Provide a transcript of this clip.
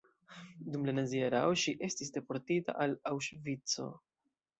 Dum la nazia erao ŝi estis deportita al Aŭŝvico.